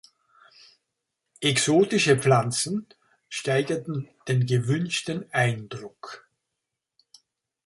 Exotische Pflanzen steigerten den gewünschten Eindruck.